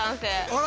あら！